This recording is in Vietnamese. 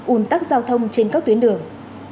ùn tắc giao thông trên các tuyến đường